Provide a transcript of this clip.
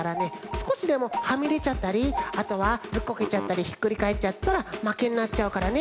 すこしでもはみでちゃったりあとはずっこけちゃったりひっくりかえっちゃったらまけになっちゃうからね。